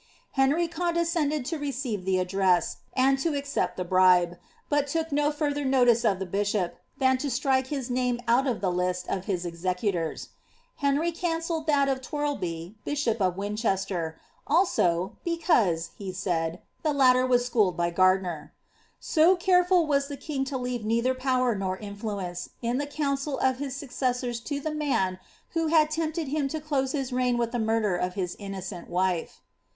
Henry condescended receive the address, and to accept the bribe, but took no further no re of the bishop, than to strike his name out of the list of his execu rs. Henry cancelled that of Thirlby, bishop of Westminster, also, because," he said, ^^ the latter was schooled by Gardiner." * So care i was the king to leave neither power nor influence, in the council of a successors to the man who had tempted him to close his reign with e murder of his innocent wife.